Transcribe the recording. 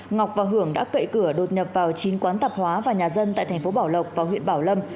ngọc và hưởng đã cậy cửa đột nhập vào chín quán tạp hóa và nhà dân tại thành phố bảo lộc và huyện bảo lâm